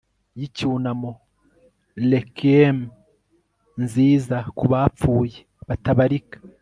y'icyunamo, requiem nzizakubapfuye batabarika